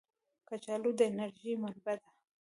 کچالو د انرژۍ منبع ده